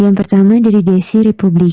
yang pertama dari desi republik